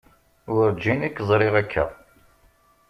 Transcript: Werǧin i k-ẓriɣ akka.